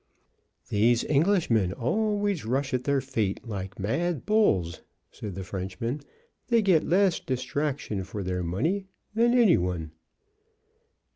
"These Englishmen always rush at their fate like mad bulls," said the Frenchman. "They get less distraction for their money than any one."